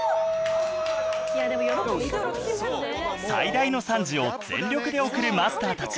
最大の賛辞を全力で送るマスターたち